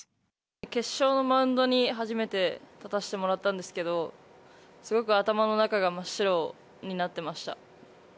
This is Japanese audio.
決勝のマウンドに初めて立たせてもらったんですけど、すごく頭の中が真っ白になってました。